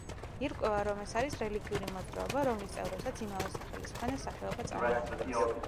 ირკვევა, რომ ეს არის რელიგიური მოძრაობა, რომლის წევრებსაც იმავე სახელის მქონე სახეობა წარმოადგენს.